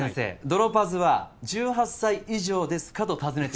ドロパズは「１８歳以上ですか？」と尋ねています